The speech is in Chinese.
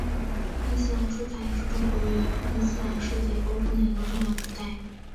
伊斯兰书法也是中国与伊斯兰世界沟通的一个重要纽带。